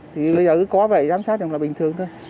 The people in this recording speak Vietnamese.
thì bây giờ cứ có vậy giám sát thì bình thường thôi